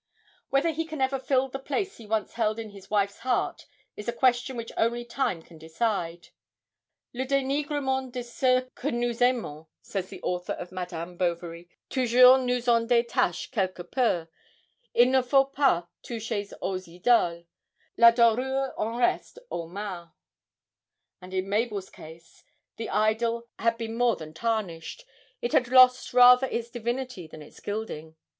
Whether he can ever fill the place he once held in his wife's heart is a question which only time can decide: 'Le dénigrement de ceux que nous aimons,' says the author of 'Madame Bovary,' 'toujours nous en détache quelque peu. Il ne faut pas toucher aux idoles; la dorure en reste aux mains,' and in Mabel's case the idol had been more than tarnished, and had lost rather its divinity than its gilding.